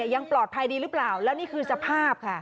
ยังปลอดภัยดีหรือเปล่าแล้วนี่คือสภาพค่ะ